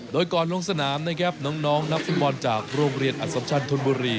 โดยก่อนลงสนามนะครับน้องนักฟุตบอลจากโรงเรียนอสัมชันธนบุรี